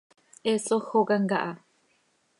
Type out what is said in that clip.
He sójocam caha.